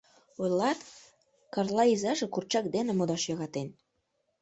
Ойлат, Карла изаже курчак дене модаш йӧратен.